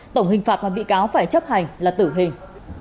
tổng hình phạt mà bị cáo phải chấp hành là tử hình